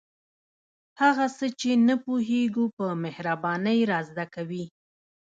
هغه څه چې نه پوهیږو په مهربانۍ را زده کوي.